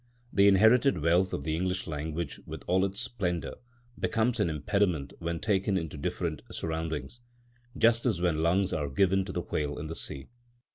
The inherited wealth of the English language, with all its splendour, becomes an impediment when taken into different surroundings, just as when lungs are given to the whale in the sea.